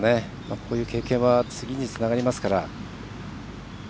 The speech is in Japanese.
こういう経験は次につながりますから。